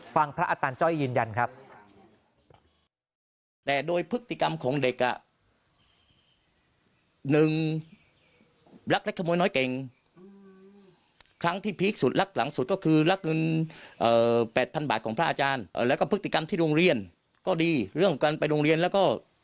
พระอาจารย์จ้อยยืนยันครับ